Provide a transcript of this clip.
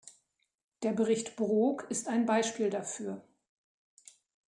Der Bericht Brok ist ein Beispiel dafür.